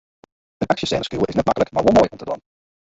In aksjesêne skriuwe is net maklik, mar wol moai om te dwaan.